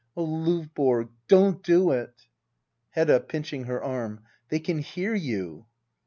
] Oh, Lovborg, don't do it! Hedda. [Pinching her arm.] They can hear you